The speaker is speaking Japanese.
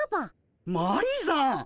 マリーさん！